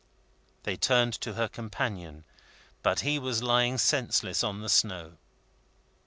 They turned to her companion, but he was lying senseless on the snow.